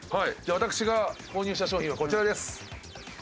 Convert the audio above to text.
私が購入した商品はこちらです。